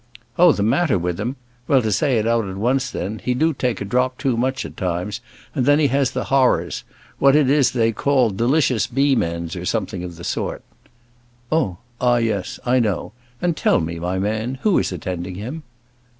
"Oh; the matter with him? Well, to say it out at once then, he do take a drop too much at times, and then he has the horrors what is it they call it? delicious beam ends, or something of that sort." "Oh, ah, yes; I know; and tell me, my man, who is attending him?"